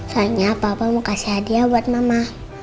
soalnya papa mau kasih hadiah buat mama